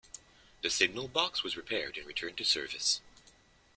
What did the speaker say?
The signalbox was repaired and returned to service.